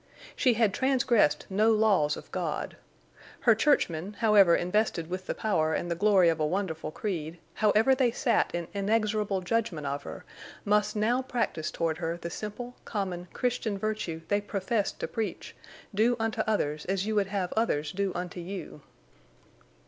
She had transgressed no laws of God. Her churchmen, however invested with the power and the glory of a wonderful creed, however they sat in inexorable judgment of her, must now practice toward her the simple, common, Christian virtue they professed to preach, "Do unto others as you would have others do unto you!"